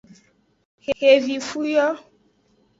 Xevifu yo.